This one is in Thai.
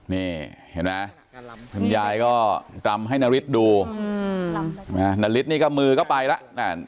นี่เห็นไหมคุณยายก็รำให้นาริสดูนาริสนี่ก็มือก็ไปแล้ว